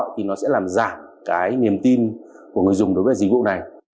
thì nó sẽ làm giảm cái niềm tin của người dùng đối với dịch vụ này